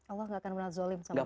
allah gak akan pernah zolim sama kita